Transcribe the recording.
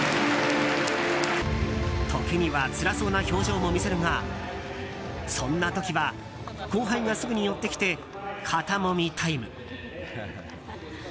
時にはつらそうな表情も見せるがそんな時は後輩がすぐに寄ってきて肩もみタイム。